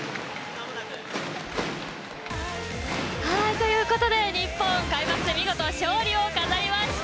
ということで日本開幕戦、見事勝利を飾りました。